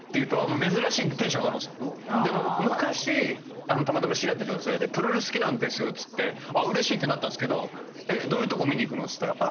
でも昔たまたま知り合った女性でプロレス好きなんですよっつってうれしいってなったんですけどどういうとこ見に行くの？っつったら。